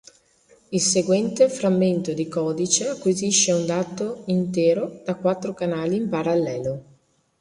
Il seguente frammento di codice acquisisce un dato intero da quattro canali in parallelo.